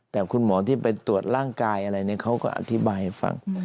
แต่คุณหมอที่ไปตรวจร่างกายอะไรเนี่ยเขาก็อธิบายให้ฟัง